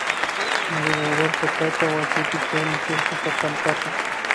Rigoberto paypa wasipi charin shuk sisapampata